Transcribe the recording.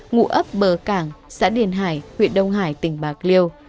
ngụ ấp bờ cảng xã điền hải huyện đông hải tỉnh bạc liêu